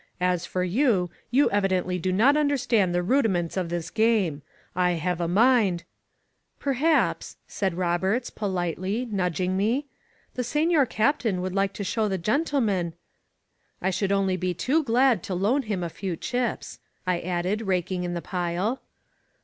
"As for you, you evidently do not understand the rudiments of this game. I have a mind. •••" "Perhaps," said Roberts, politely, nudging me, 287 INSURGENT MEXICO ^^the Sefior Captain would like to show the gentle man* .•• r" ^ should be only too ^ad to loan him a few chips," I added, raking in the pile.